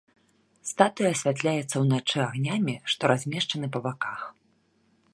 Статуя асвятляецца ўначы агнямі, што размешчаны па баках.